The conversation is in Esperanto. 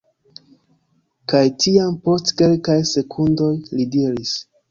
Kaj tiam, post kelkaj sekundoj, li diris: